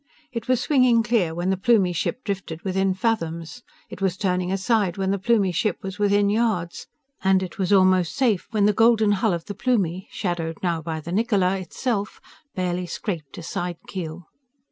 It was swinging clear when the Plumie ship drifted within fathoms. It was turning aside when the Plumie ship was within yards. And it was almost safe when the golden hull of the Plumie shadowed now by the Niccola itself barely scraped a side keel.